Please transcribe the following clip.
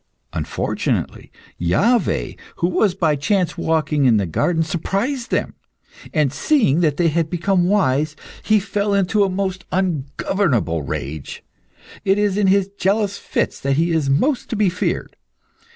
Unfortunately, Iaveh, who was by chance walking in the garden, surprised them, and seeing that they had become wise, he fell into a most ungovernable rage. It is in his jealous fits that he is most to be feared.